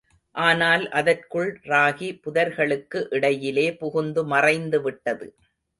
ஆனல், அதற்குள் ராகி புதர்களுக்கு இடையிலே புகுந்து மறைந்துவிட்டது.